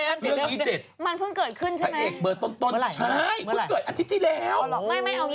แล้วแองจิยังไม่รู้เลยมันเพิ่งเกิดขึ้นใช่ไหมใช่เพิ่งเกิดอาทิตย์ที่แล้ว